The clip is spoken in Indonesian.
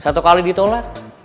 satu kali ditolak